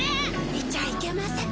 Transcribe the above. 見ちゃいけません。